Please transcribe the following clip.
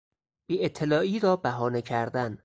بی اطلاعی را بهانه کردن